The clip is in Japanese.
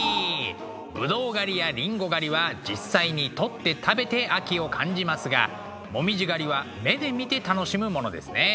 ブドウ狩りやリンゴ狩りは実際にとって食べて秋を感じますが紅葉狩りは目で見て楽しむものですね。